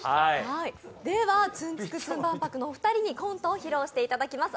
ではツンツクツン万博のお二人にコントを披露していただきます。